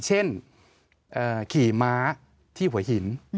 เช่นขี่ม้าที่หัวหิน